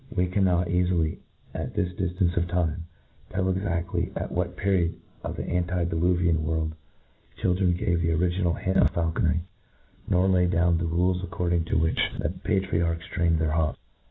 We cannot eafi ly, at this diftance of time, tell exadHy at what period of the antideluvian world children gave the original hint of faulconry, nor lay down the, rules according to which the patriarchs trained their hawks.